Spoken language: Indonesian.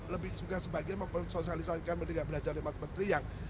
lebih suka sebagian mempersosialisalkan merdeka belajar dari mas menteri yang